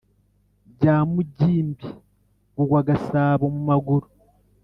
bya mugimbi bugwa gasabo mu maguru!